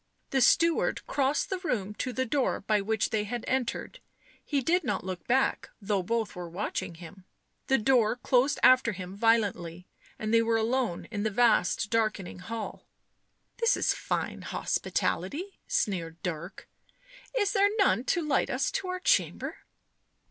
The steward crossed the room to the door by which they had entered ; he did not look back, though both were watching him ; the door closed after him violently, and they were alone in the vast darkening hall. " This is fine hospitality," sneered Dirk. " Is there ~ none to light us to our chamber?"